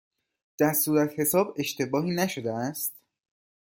در صورتحساب اشتباهی نشده است؟